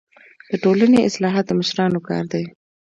د ټولني اصلاحات د مشرانو کار دی.